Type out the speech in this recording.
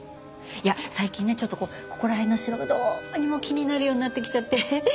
いや最近ねちょっとこうここら辺のシワがどうにも気になるようになってきちゃって。